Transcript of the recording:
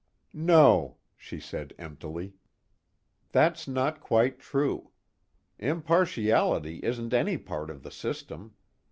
"No," she said emptily, "that's not quite true. Impartiality isn't any part of the system.